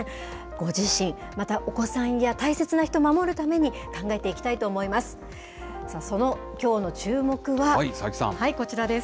ご自身、またお子さんや大切な人を守るために、考えていきたいと思います。